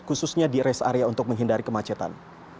khususnya di rest area untuk menghindari kemacetan